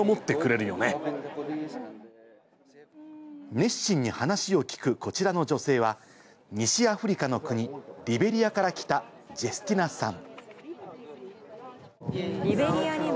熱心に話を聞くこちらの女性は、西アフリカの国リベリアから来たジェスティナさん。